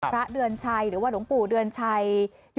พระเดือนชัยหรือว่าหลวงปู่เดือนชัย